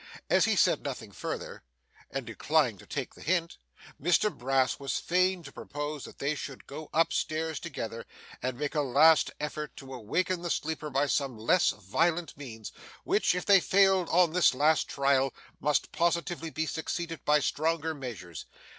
As he said nothing further, and declined taking the hint, Mr Brass was fain to propose that they should go up stairs together, and make a last effort to awaken the sleeper by some less violent means, which, if they failed on this last trial, must positively be succeeded by stronger measures.